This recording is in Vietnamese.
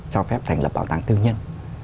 cho phép thành lập bảo tàng tư nhân